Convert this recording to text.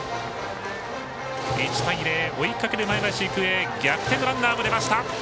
１対０、追いかける前橋育英逆転のランナーが出ました。